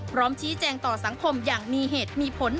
พร้อมชี้แจงต่อสังคมอย่างมีเหตุมีผล